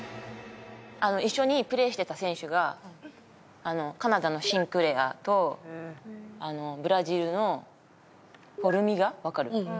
一緒にプレーしてた選手がカナダのシンクレアとブラジルのフォルミガわかる？